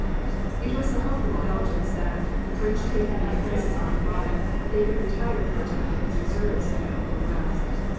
It was the hope of the Belgians that, the French taking their places on the line, they could retire for a time as reserves and get a little rest.